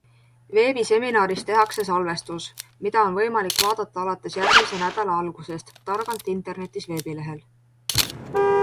Veebiseminarist tehakse salvestus, mida on võimalik vaadata alates järgmise nädala algusest Targalt internetis veebilehel.